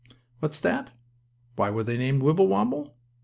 What's that? Why were they named Wibblewobble?